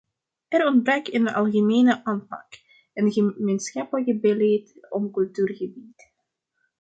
Er ontbrak een algemene aanpak, een gemeenschappelijke beleid op cultuurgebied.